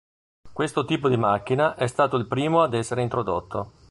Questo tipo di macchina è stato il primo ad essere introdotto.